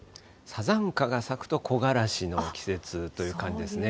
サザンカが咲くと、木枯らしの季節という感じですね。